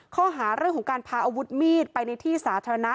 ข้อหาเรื่องของการพาอาวุธมีดไปในที่สาธารณะ